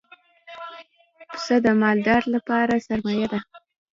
پسه د مالدار لپاره سرمایه ده.